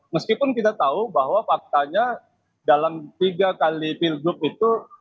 meskipun kita tahu bahwa faktanya dalam tiga kali pilgub itu